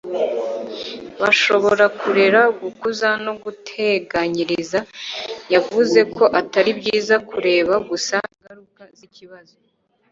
bashobora kurera, gukuza no guteganyiriza. yavuze ko atari byiza kureba gusa ingaruka z'ikibazo